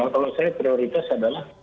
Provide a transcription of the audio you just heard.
kalau saya prioritas adalah